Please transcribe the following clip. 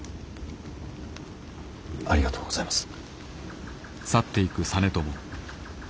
ありがとうございます。